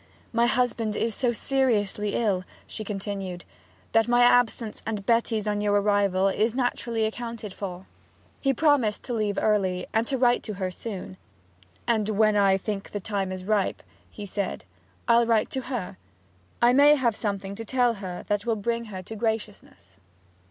'My husband is so seriously ill,' she continued, 'that my absence and Betty's on your arrival is naturally accounted for.' He promised to leave early, and to write to her soon. 'And when I think the time is ripe,' he said, 'I'll write to her. I may have something to tell her that will bring her to graciousness.'